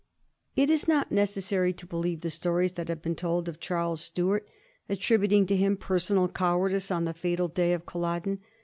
It is DOt necessary to believe the stories that have been told of Charles Stuart, attributing to him personal cow ardice on the fatal day of Culloden.